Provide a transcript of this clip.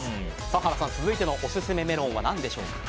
原さん、続いてのオススメメロンは何でしょうか？